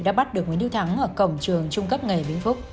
đã bắt được nguyễn hữu thắng ở cổng trường trung cấp nghề biến